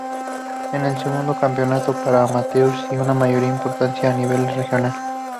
Es el segundo campeonato para amateurs y una mayor importancia a nivel regional.